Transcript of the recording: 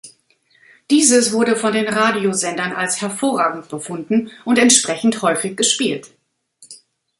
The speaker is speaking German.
Dieses wurde von den Radiosendern als hervorragend befunden und entsprechend häufig gespielt.